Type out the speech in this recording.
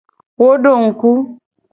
Wo do ngku.